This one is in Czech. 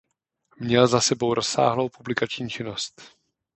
Měl za sebou rozsáhlou publikační činnost.